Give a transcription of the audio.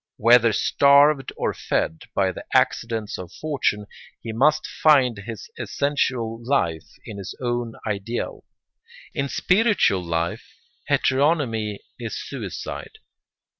Whether starved or fed by the accidents of fortune he must find his essential life in his own ideal. In spiritual life, heteronomy is suicide.